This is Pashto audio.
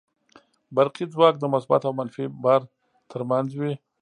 برقي ځواک د مثبت او منفي بار تر منځ وي.